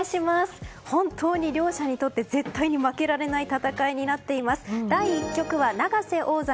本当に両者にとって絶対に負けられない戦いになっています。